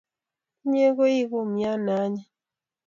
Inye koi u kumyat ne anyiny.